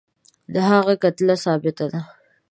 د هغه کتله ثابته ده.